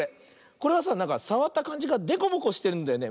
これはさなんかさわったかんじがでこぼこしてるんだよね。